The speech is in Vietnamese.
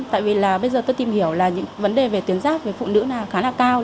tại vì là bây giờ tôi tìm hiểu là những vấn đề về tuyến giáp với phụ nữ là khá là cao